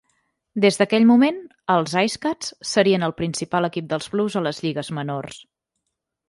Des d'aquell moment, els IceCats serien el principal equip dels Blues a les lligues menors.